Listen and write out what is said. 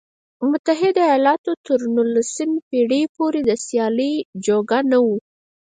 متحده ایالتونه تر نولسمې پېړۍ پورې د سیالۍ جوګه نه و.